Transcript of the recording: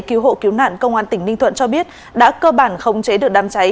cứu hộ cứu nạn công an tỉnh ninh thuận cho biết đã cơ bản khống chế được đám cháy